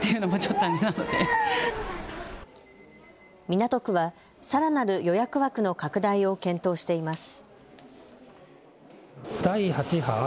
港区はさらなる予約枠の拡大を検討しています。